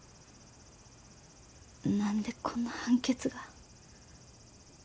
なんでこんな判決が。